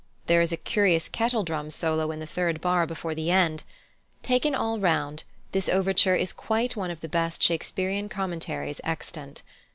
There is a curious kettledrum solo in the third bar before the end. Taken all round, this overture is quite one of the best Shakespearian commentaries extant.